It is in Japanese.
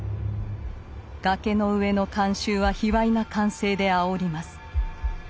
崖の上の観衆は卑猥な歓声であおります。